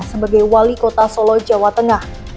sebagai wali kota solo jawa tengah